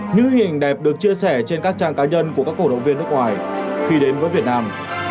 những hình đẹp được chia sẻ trên các trang cá nhân của các cổ động viên nước ngoài khi đến với việt nam